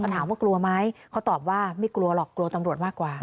ถามว่ากลัวไหมเขาตอบว่าไม่กลัวหรอกกลัวตำรวจมากกว่า